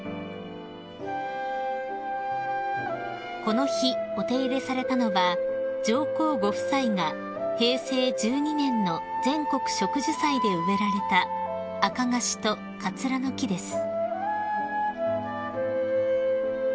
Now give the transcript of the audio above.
［この日お手入れされたのは上皇ご夫妻が平成１２年の全国植樹祭で植えられたアカガシとカツラの木です］